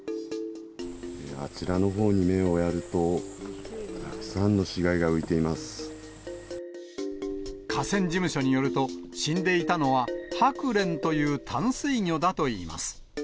あちらのほうに目をやると、河川事務所によると、死んでいたのは、ハクレンという淡水魚だといいます。